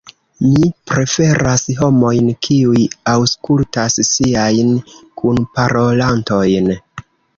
Mi preferas homojn, kiuj aŭskultas siajn kunparolantojn.